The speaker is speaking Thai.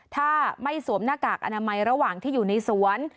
ถ้าไม่สวมหน้ากากอนามัยระหว่างที่อยู่ในสวน